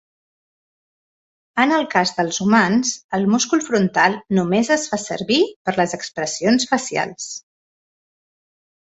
En el cas dels humans, el múscul frontal només es fa servir per a les expressions facials.